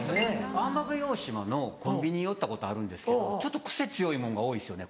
奄美大島のコンビニ寄ったことあるんですけどちょっと癖強いもんが多いですよね